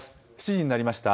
７時になりました。